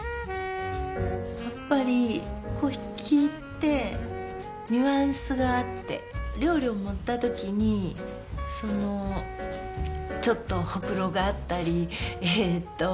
やっぱり粉引ってニュアンスがあって料理を盛った時にちょっとほくろがあったりえっと